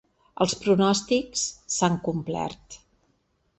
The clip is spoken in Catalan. Els pronòstics s’han complert.